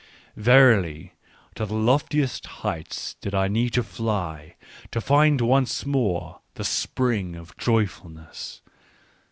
Verily to the loftiest heights did I need to fly, to find once more the spring of joyfulness.